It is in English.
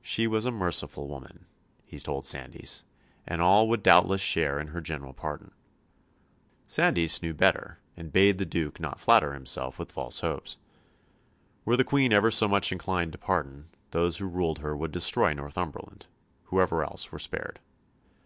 She was a merciful woman, he told Sandys, and all would doubtless share in her general pardon. Sandys knew better, and bade the Duke not flatter himself with false hopes. Were the Queen ever so much inclined to pardon, those who ruled her would destroy Northumberland, whoever else were spared.